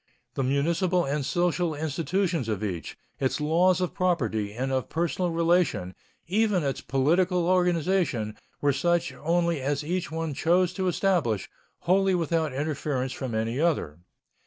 The municipal and social institutions of each, its laws of property and of personal relation, even its political organization, were such only as each one chose to establish, wholly without interference from any other.